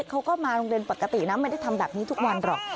เขาก็มาโรงเรียนปกตินะไม่ได้ทำแบบนี้ทุกวันหรอก